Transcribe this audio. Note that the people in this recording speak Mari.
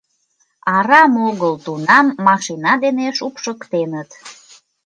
Арам огыл тунам машина дене шупшыктеныт.